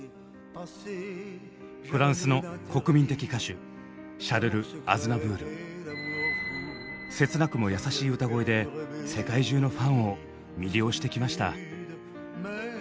フランスの国民的歌手切なくも優しい歌声で世界中のファンを魅了してきました。